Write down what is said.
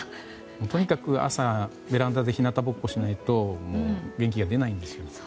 とにかく朝、ベランダでひなたぼっこしないと元気が出ないんですよ。